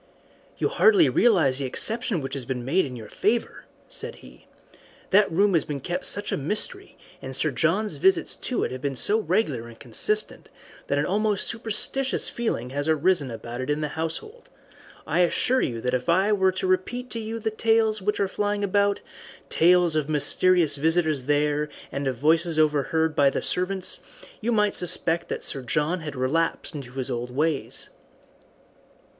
"You hardly realize the exception which has been made in your favour," said he. "That room has been kept such a mystery, and Sir John's visits to it have been so regular and consistent, that an almost superstitious feeling has arisen about it in the household. I assure you that if I were to repeat to you the tales which are flying about, tales of mysterious visitors there, and of voices overheard by the servants, you might suspect that Sir John had relapsed into his old ways."